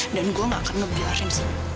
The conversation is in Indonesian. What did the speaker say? dan gue gak akan ngebiarin